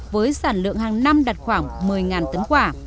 với sản lượng hàng năm đạt khoảng một mươi tấn quả